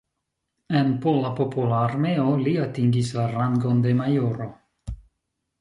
En Pola Popola Armeo li atingis la rangon de majoro.